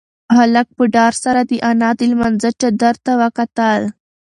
هلک په ډار سره د انا د لمانځه چادر ته وکتل.